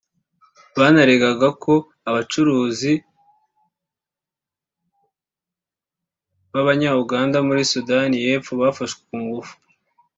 Banaregaga ko Abacuruzi b’Abanya Uganda muri Sudani y’Epfo bafashwe ku ngufu